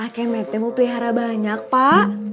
kayak matt kamu pelihara banyak pak